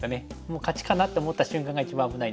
勝ちかなと思った瞬間が一番危ないんですけど。